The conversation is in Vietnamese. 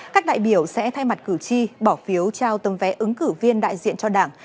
các đại biểu sẽ thay mặt cử tri bỏ phiếu trao tấm vé ứng cử viên đại diện cho đảng